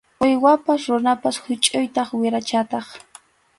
Uywapas runapas huchʼuytaq wirachataq.